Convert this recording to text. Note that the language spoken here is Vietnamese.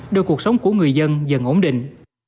để cuộc sống của người dân dần ổn định